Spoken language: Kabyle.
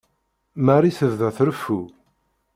Marie tebda treffu.